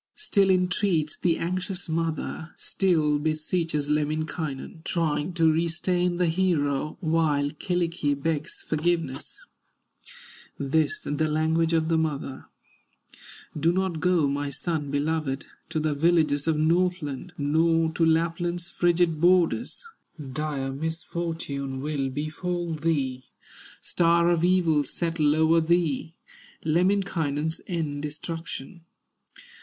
Still entreats the anxious mother, Still beseeches Lemminkainen, Trying to restrain the hero, While Kyllikki begs forgiveness; This the language of the mother: "Do not go, my son beloved, To the villages of Northland, Nor to Lapland's frigid borders; Dire misfortune will befall thee, Star of evil settle o'er thee, Lemminkainen's end, destruction.